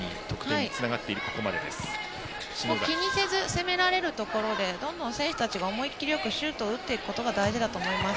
気にせず攻められるところでどんどん選手が思い切りよくシュートを打っていくことが大事だと思います。